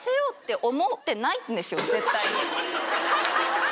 絶対に。